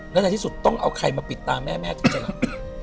แล้วในที่สุดต้องเอาใครมาปิดตาแม่แม่จริงครับ